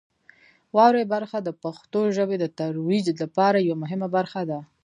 واورئ برخه د پښتو ژبې د ترویج لپاره یوه مهمه برخه ده.